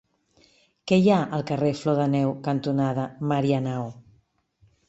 Què hi ha al carrer Flor de Neu cantonada Marianao?